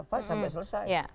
fight sampai selesai